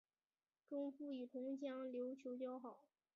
钟复与同乡刘球交好。